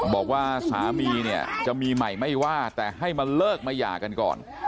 บอกว่าสามีจะมีใหม่ไม่ว่าแต่ให้มันเลิกมาย่าก่อน